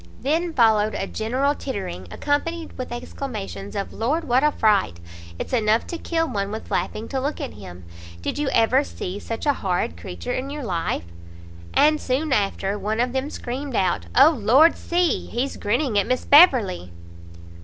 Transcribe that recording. Then followed a general tittering, accompanied with exclamations of "Lord, what a fright!" "It's enough to kill one with laughing to look at him!" "Did you ever see such a horrid creature in your life?" And soon after, one of them screamed out "O Lord, see! he's grinning at Miss Beverley!"